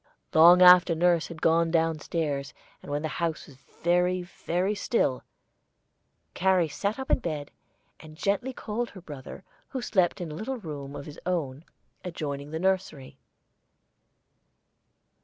Long after nurse had gone down stairs, and when the house was very, very still, Carrie sat up in bed and gently called her brother, who slept in a little room of his own adjoining the nursery.